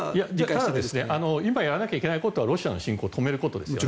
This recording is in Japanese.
ただ今やらなきゃいけないことはロシアの侵攻を止めることです。